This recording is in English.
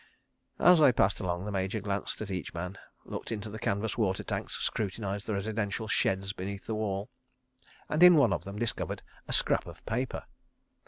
As they passed along, the Major glanced at each man, looked into the canvas water tanks, scrutinised the residential sheds beneath the wall—and, in one of them discovered a scrap of paper!